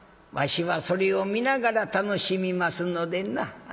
わしはそれを見ながら楽しみますのでな。